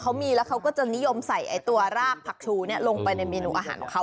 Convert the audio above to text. เขามีแล้วเขาก็จะนิยมใส่ตัวรากผักชูลงไปในเมนูอาหารของเขา